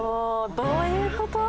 どういう事？